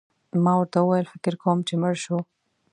ما ورته وویل: فکر کوم چي مړ شو.